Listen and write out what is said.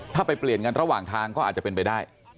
ถ้าไปเปลี่ยนกันระหว่างทางก็อาจจะเป็นไปได้